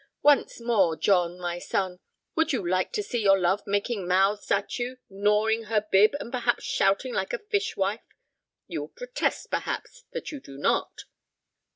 Once more, John, my son, would you like to see your love making mouths at you, gnawing her bib, and perhaps shouting like a fish wife? You will protest, perhaps, that you do not."